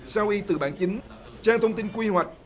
sau y từ bản chính trang thông tin quy hoạch